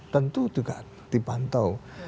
tentu juga dipantau